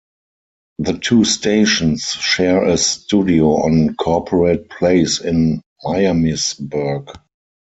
The two stations share a studio on Corporate Place in Miamisburg.